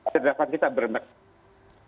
sederhana kita bermaksud